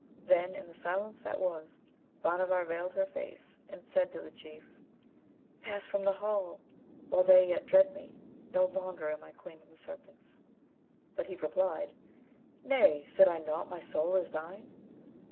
Then in the silence that was, Bhanavar veiled her face and said to the Chief, 'Pass from the hall while they yet dread me. No longer am I Queen of Serpents.' But he replied, 'Nay! said I not my soul is thine?'